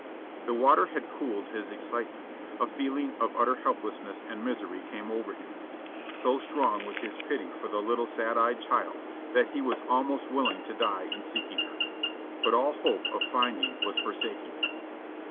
The water had cooled his excitement; a feeling of utter helplessness and misery came over him. So strong was his pity for the little sad eyed child that he was almost willing to die in seeking her; but all hope of finding was forsaking him.